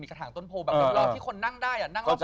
ที่สร้างที่คนนั่งได้